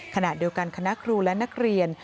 ขณะเดียวกันคณะครูและนักเรียน